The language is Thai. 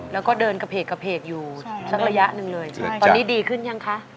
แล้วก็เดินกระเพกกระเพกอยู่สักระยะหนึ่งเลยตอนนี้ดีขึ้นยังคะ